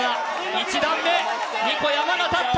１段目、２個山が立った。